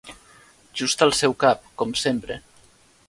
Just al seu cap, com sempre!